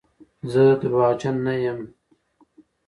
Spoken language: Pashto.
زه درواغجن نه یم.